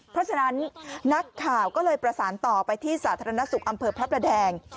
เพราะฉะนั้นนักข่าวก็เลยประสานต่อไปที่สาธารณสุขอำเภอพระประแดง